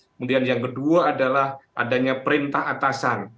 kemudian yang kedua adalah adanya perintah atasan